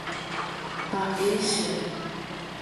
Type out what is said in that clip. Ha'e che.